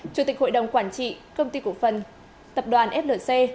chủ tịch hội đồng quản trị công ty cổ phần tập đoàn flc